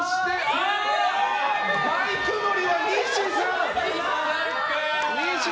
バイク乗りは西さん！